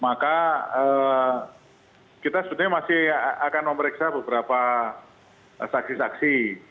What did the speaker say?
maka kita sebenarnya masih akan memeriksa beberapa saksi saksi